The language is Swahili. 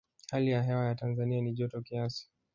hali ya hewa ya tanzania ni joto kiasi